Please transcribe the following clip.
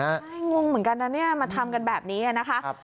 ใช่งงเหมือนกันนะเนี่ยมาทำกันแบบนี้นะคะ